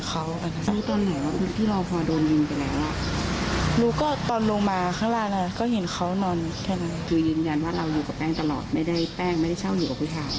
คือยืนยันว่าเราอยู่กับแป้งตลอดไม่ได้แป้งไม่ได้เช่าอยู่กับผู้ชาย